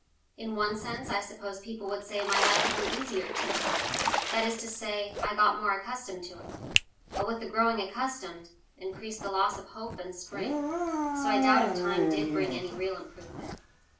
In one sense I suppose people would say my life grew easier to me, that is to say I got more accustomed to it, but with the "growing accustomed," increased the loss of hope and spring, so I doubt if time did bring any real improvement.